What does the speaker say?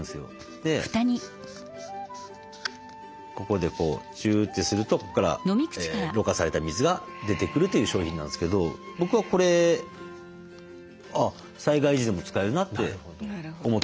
でここでこうチューッてするとここからろ過された水が出てくるという商品なんですけど僕はこれ災害時でも使えるなって思ってますけどね。